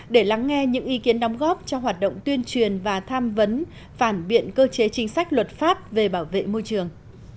để lắng nghe những ý kiến đóng góp cho hoạt động tuyên truyền và tham vấn phản biện cơ chế chính sách luật pháp về bảo vệ môi trường